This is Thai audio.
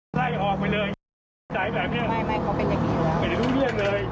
ไหล่ออกไปเลยเองใช่ไหมเป็นแบบนี้ไม่ได้รู้เรื่องเลย